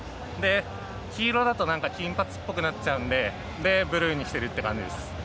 黄色だと金髪っぽくなっちゃうのでブルーにしているという感じです。